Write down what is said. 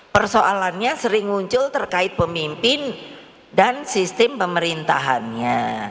persoalannya sering muncul terkait pemimpin dan sistem pemerintahannya